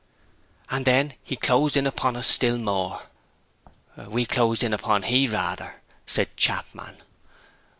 'And then he closed in upon us still more.' 'We closed in upon he, rather,' said Chapman.